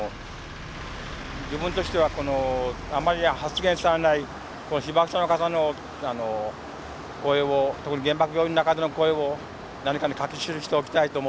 自分としてはこのあまり発言されないこの被爆者の方の声を特に原爆が生んだ方の声を何かに書き記しておきたいと思った。